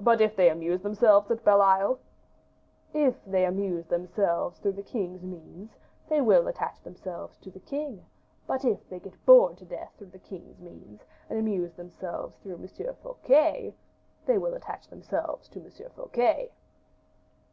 "But if they amuse themselves at Bell Isle?" "If they amuse themselves through the king's means, they will attach themselves to the king; but if they get bored to death through the king's means, and amuse themselves through M. Fouquet, they will attach themselves to M. Fouquet."